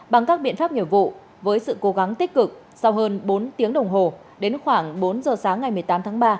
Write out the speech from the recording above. bằng các biện pháp nhiệm vụ với sự cố gắng tích cực sau hơn bốn tiếng đồng hồ đến khoảng bốn giờ sáng ngày một mươi tám tháng ba